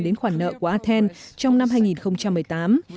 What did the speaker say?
đến khoản nợ của athen trong năm hai nghìn một mươi tám